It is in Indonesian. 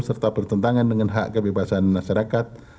serta bertentangan dengan hak kebebasan masyarakat